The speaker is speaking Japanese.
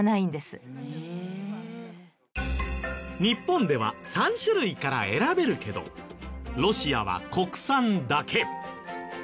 日本では３種類から選べるけどロシアは国産だけ。